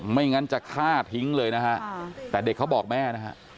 ไม่งั้นจะฆ่าทิ้งเลยนะฮะแต่เด็กเขาบอกแม่นะฮะ